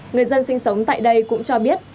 người dân sinh sống tại đây cũng cho biết